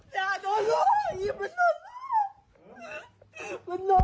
อย่าโดนลูกมันโดนลูก